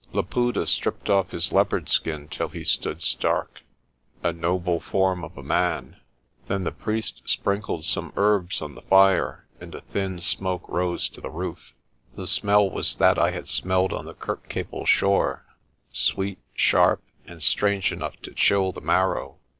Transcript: Laputa stripped off his leopard skin till he stood stark, a noble form of a man. Then the priest sprinkled some herbs on the fire, and a thin smoke rose to the roof. The 134 THE CAVE OF THE ROOIRAND 135 smell was that I had smelled on the Kirkcaple shore, sweet, sharp, and strange enough to chill the marrow.